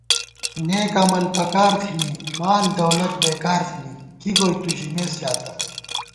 نېک عمل پَکار تھنی مال دولت بېکار تھنی، کی گوئی تُو ژمېس ژاتہ